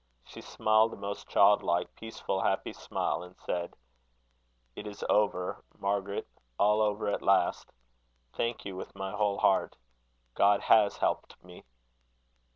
She smiled a most child like, peaceful, happy smile, and said: "It is over, Margaret, all over at last. Thank you, with my whole heart. God has helped me."